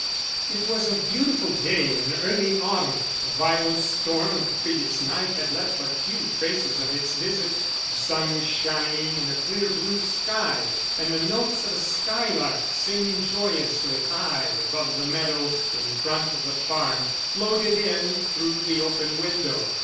It was a beautiful day in early autumn. The violent storm of the previous night had left but few traces of its visit. The sun was shining in a clear blue sky, and the notes of a skylark singing joyously high above the meadow in front of the farm floated in through the open window.